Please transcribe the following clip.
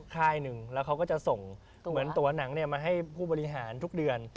ค่ายหนึ่งแล้วเขาก็จะส่งเหมือนตัวหนังมาให้ผู้บริหารทุกเดือน